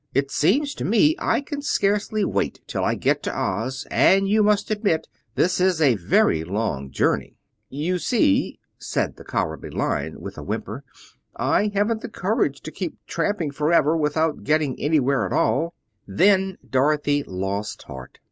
"It seems to me I can scarcely wait till I get to Oz, and you must admit this is a very long journey." "You see," said the Cowardly Lion, with a whimper, "I haven't the courage to keep tramping forever, without getting anywhere at all." Then Dorothy lost heart.